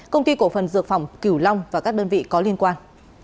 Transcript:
công ty cổ phần dược phẩm cửu long và các đơn vị có liên quan